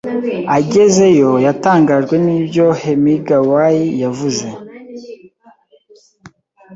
Agezeyo yatangajwe n'ibyo Hemingwayi yavuze.